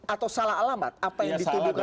atau salah alamat apa yang ditubuhkan oleh mereka